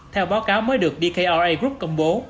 theo báo cáo mới được dkra group công bố